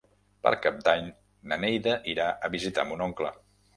Per Cap d'Any na Neida irà a visitar mon oncle.